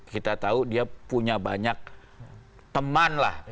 kita tahu dia punya banyak teman lah